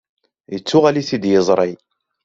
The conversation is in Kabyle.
Yettuɣal-itt-id yiẓri.